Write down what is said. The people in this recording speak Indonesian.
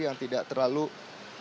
yang tidak terlalu banyak